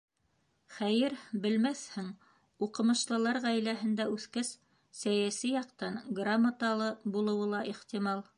Хәйер, белмәҫһең, уҡымышлылар ғаиләһендә үҫкәс, сәйәси яҡтан грамоталы булыуы ла ихтимал.